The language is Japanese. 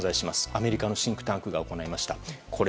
アメリカのシンクタンクが行いました。